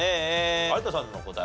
有田さんの答え